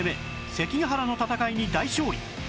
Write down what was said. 関ヶ原の戦いに大勝利